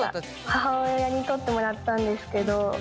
母親に撮ってもらったんですけど。